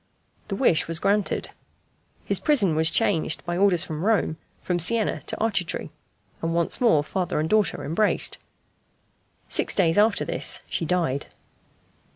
The wish was granted. His prison was changed, by orders from Rome, from Siena to Arcetri, and once more father and daughter embraced. Six days after this she died.